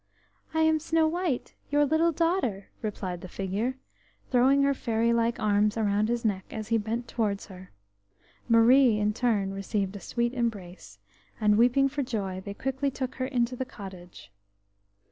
"I am Snow white, your little daughter," replied the figure, throwing her fairy like arms around his neck as he bent towards her. Marie, in turn received a sweet embrace, and, weeping for joy, they quickly took her into the cottage.